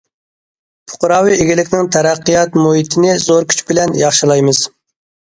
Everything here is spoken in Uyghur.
پۇقراۋى ئىگىلىكنىڭ تەرەققىيات مۇھىتىنى زور كۈچ بىلەن ياخشىلايمىز.